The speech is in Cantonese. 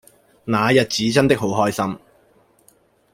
那日子真的好開心